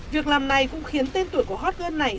việc làm này cũng khiến tên tuổi của hot girl này